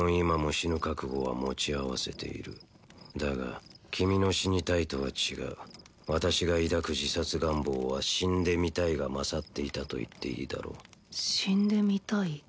今も死ぬ覚悟は持ち合わせているだが君の死にたいとは違う私が抱く自殺願望は死んでみたいが勝っていたと言っていいだろう死んでみたい？